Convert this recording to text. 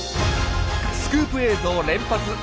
スクープ映像連発！